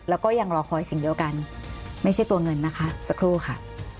แล้วก็ยังรอคอยสิ่งเดียวกันไม่ใช่ตัวเงินนะคะสักครู่ค่ะ